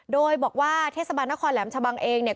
โดยบอกว่าเทศบาลนครแหลมชะบังเองเนี่ย